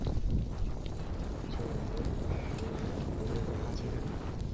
Chonye nyo kou ng'alek che onyiny